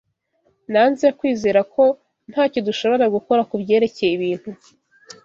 Nanze kwizera ko ntacyo dushobora gukora kubyerekeye ibintu.